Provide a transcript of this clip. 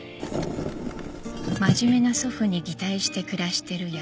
「真面目な祖父に擬態して暮らしているヤブ太郎」